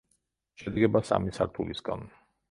შედგება სამი სართულისაგან.